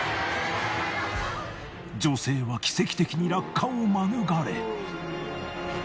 女性は奇跡的に落下を免れ